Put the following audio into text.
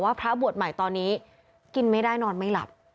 พระบวชใหม่ตอนนี้กินไม่ได้นอนไม่หลับ